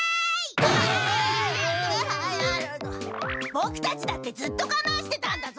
ボクたちだってずっとがまんしてたんだぞ！